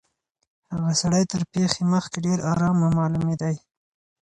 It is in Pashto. هغه سړی تر پېښي مخکي ډېر آرامه معلومېدی.